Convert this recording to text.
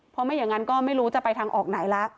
เพราะไม่อย่างนั้นก็ไม่รู้จะไปทางออกไหนละ